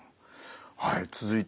はい。